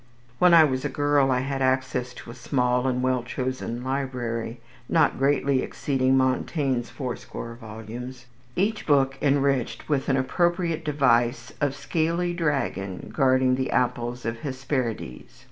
When I was a girl I had access to a small and well chosen library (not greatly exceeding Montaigne's fourscore volumes), each book enriched with an appropriate device of scaly dragon guarding the apples of Hesperides.